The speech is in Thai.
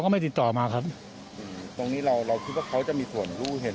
ไม่ติดต่อมาครับตรงนี้เราเราคิดว่าเขาจะมีส่วนรู้เห็น